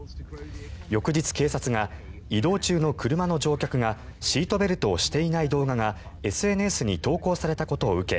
翌日、警察が移動中の車の乗客がシートベルトをしていない動画がＳＮＳに投稿されたことを受け